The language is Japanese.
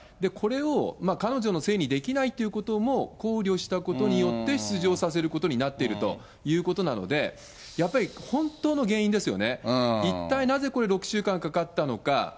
これを彼女のせいにできないっていうことも考慮したことによって出場させることになっているということなので、やっぱり本当の原因ですよね、一体なぜこれ、６週間かかったのか。